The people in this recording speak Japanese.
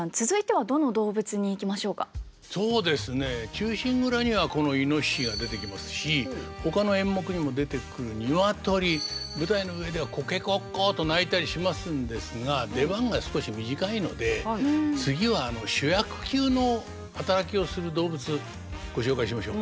「忠臣蔵」にはこの猪が出てきますしほかの演目にも出てくる鶏舞台の上ではコケコッコと鳴いたりしますんですが出番が少し短いので次はご紹介しましょう。